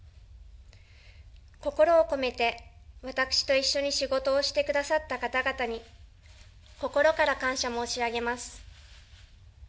心を込めて、私と一緒に仕事をしてくださった方々に、心から感謝申し上げます。